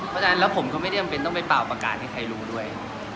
เพราะฉะนั้นแล้วผมก็ไม่ได้จำเป็นต้องไปเป่าประกาศให้ใครรู้ด้วย